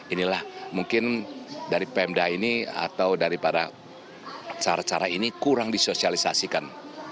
inilah mungkin dari pemda ini atau daripada cara cara ini kurang disosialisasikan